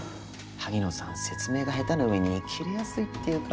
萩野さん説明が下手な上にキレやすいっていうか。